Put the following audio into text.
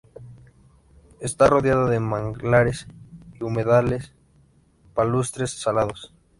Está rodeada de manglares y humedales palustres salados.